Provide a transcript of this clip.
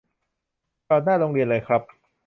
จอดหน้าโรงเรียนเลยครับ